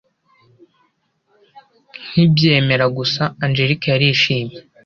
Nkibyemera gusa Angelique yarishimye,